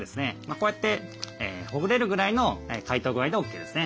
こうやってほぐれるぐらいの解凍具合でＯＫですね。